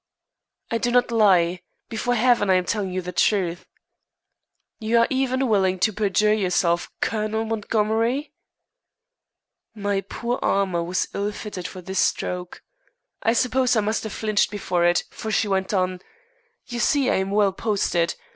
"I do not lie. Before heaven I am telling you the truth." "You are even willing to perjure yourself, Colonel Montgomery?" My poor armor was ill fitted for this stroke. I suppose I must have flinched before it, for she went on: "You see I am well posted.